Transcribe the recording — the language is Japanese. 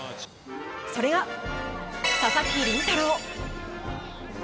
それが、佐々木麟太郎。